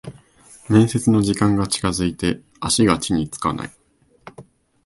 面接の時間が近づいて足が地につかない